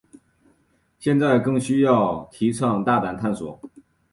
现在更需要提倡大胆探索。